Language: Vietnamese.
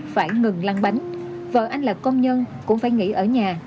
phải ngừng lăng bánh vợ anh là công nhân cũng phải nghỉ ở nhà